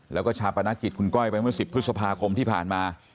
แล้วก็ชาปนกิจคุณก้อยไปเมื่อ๑๐พฤษภาคมที่ผ่านมา